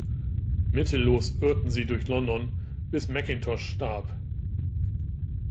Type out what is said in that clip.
Mittellos irrten sie durch London, bis Mackintosh starb.